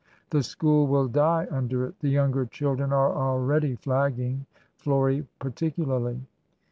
The school will die under it ; the younger children are already flagging, — Florie particularly.